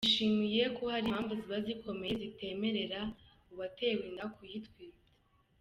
bishimiye ko hari impamvu ziba zikomeye zitemerera uwatewe inda kuyitwita